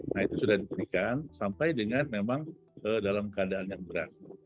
nah itu sudah diberikan sampai dengan memang dalam keadaan yang berat